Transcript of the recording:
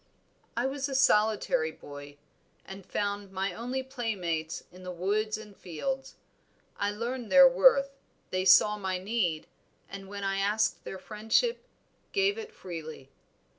"I was a solitary boy, and found my only playmates in the woods and fields. I learned their worth, they saw my need, and when I asked their friendship, gave it freely.